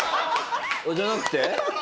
じゃなくて？